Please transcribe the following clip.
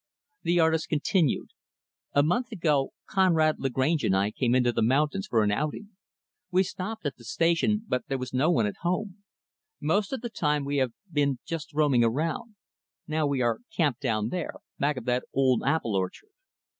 The artist continued, "A month ago, Conrad Lagrange and I came into the mountains for an outing. We stopped at the Station, but there was no one at home. Most of the time, we have been just roaming around. Now, we are camped down there, back of that old apple orchard."